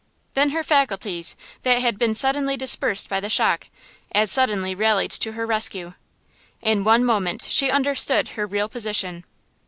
Then her faculties, that had been suddenly dispersed by the shock, as suddenly rallied to her rescue. In one moment she understood her real position.